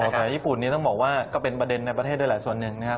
สายญี่ปุ่นนี้ต้องบอกว่าก็เป็นประเด็นในประเทศด้วยหลายส่วนหนึ่งนะครับ